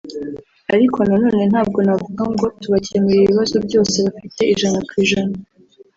ariko na none ntabwo navuga ngo tubakemurira ibibazo byose bafite ijana ku ijana